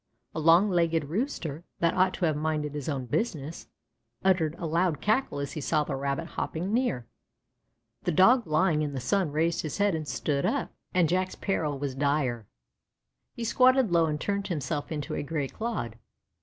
A long legged Rooster, that ought to have minded his own business, uttered a loud cackle as he saw the Rabbit hopping near. The Dog lying in the sun raised his head and stood up, and Jack's peril was dire. He squatted low and turned himself into a gray clod.